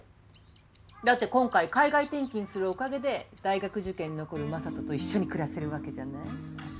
だって今回海外転勤するおかげで大学受験に残る正門と一緒に暮らせるわけじゃない？